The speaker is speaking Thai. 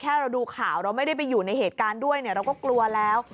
เราดูข่าวเราไม่ได้ไปอยู่ในเหตุการณ์ด้วยเราก็กลัวแล้ว